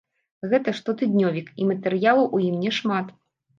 Гэта штотыднёвік, і матэрыялаў ў ім няшмат.